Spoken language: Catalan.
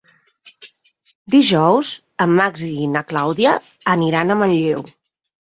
Dijous en Max i na Clàudia aniran a Manlleu.